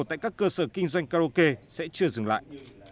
tại các cơ sở kinh doanh karaoke sẽ chưa dừng lại